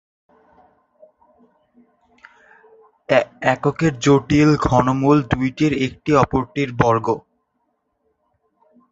যেমন: বেলুড় মঠ, রামকৃষ্ণ মঠ প্রভৃতি হিন্দু ধর্মীয় স্থাপনা।